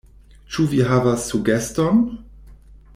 Ĉu vi havas sugeston?